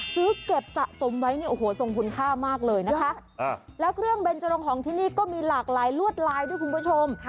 ซื้อเก็บสะสมไว้เนี่ยโอ้โหทรงคุณค่ามากเลยนะคะแล้วเครื่องเบนจรงของที่นี่ก็มีหลากหลายลวดลายด้วยคุณผู้ชม